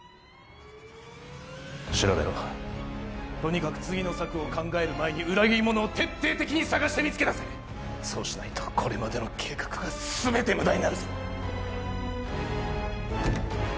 調べろとにかく次の策を考える前に裏切り者を徹底的に探して見つけ出せそうしないとこれまでの計画が全て無駄になるぞ